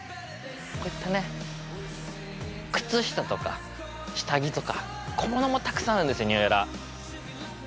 こういったね靴下とか下着とか小物もたくさんあるんですよニューエラ。